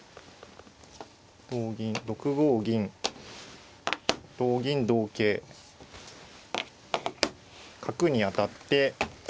同銀６五銀同銀同桂角に当たって。